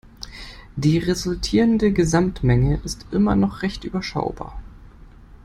Die resultierende Gesamtmenge ist immer noch recht überschaubar.